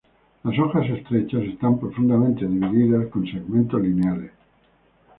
Las hojas estrechas están profundamente divididas, con segmentos lineales.